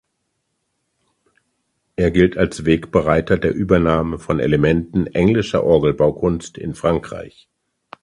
Er gilt als Wegbereiter der Übernahme von Elementen englischer Orgelbaukunst in Frankreich.